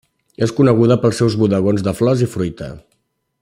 És coneguda pels seus bodegons de flors i fruita.